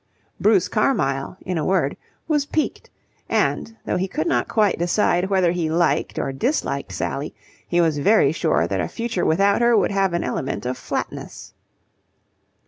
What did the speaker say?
Bruce Carmyle, in a word, was piqued: and, though he could not quite decide whether he liked or disliked Sally, he was very sure that a future without her would have an element of flatness.